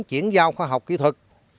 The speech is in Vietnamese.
học khoa học kỹ thuật